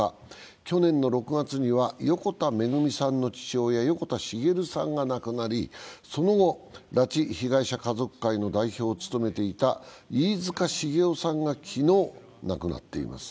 去年６月には横田めぐみさんの父親横田滋さんが亡くなりその後、拉致被害者家族会の代表を務めていた飯塚繁雄さんが昨日、亡くなっています。